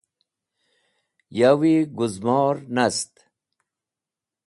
Yawi gũzmor nast.